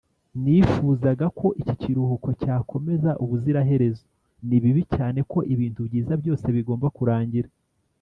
nifuzaga ko iki kiruhuko cyakomeza ubuziraherezo. ni bibi cyane ko ibintu byiza byose bigomba kurangira. ”